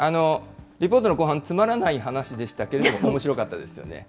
リポートの後半、詰まらない話でしたけれども、おもしろかったですよね。